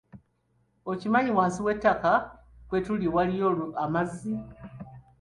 Okimanyi wansi w'ettaka kwe tuli waliyo amazzi.